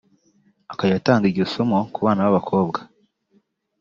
akajya atanga iryo somo ku bana b’abakobwa